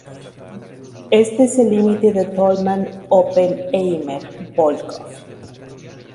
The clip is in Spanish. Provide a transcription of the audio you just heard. Este es el límite de Tolman-Oppenheimer-Volkoff.